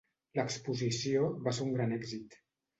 L'exposició va ser un gran èxit.